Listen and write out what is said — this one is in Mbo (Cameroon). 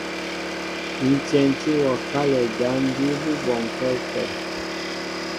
Ǹ tyɛntí wɔ kálɛ jǎn jí bú bɔnkɛ́ ú pɛ.